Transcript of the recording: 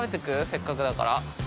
せっかくだから。